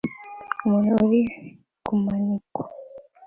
Umuntu uri kumanikwa